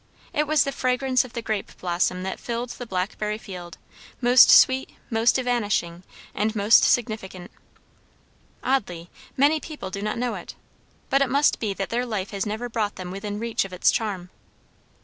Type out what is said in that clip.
It was the fragrance of the grape blossom that filled the blackberry field; most sweet, most evanishing, most significant. Oddly, many people do not know it. But it must be that their life has never brought them within reach of its charm.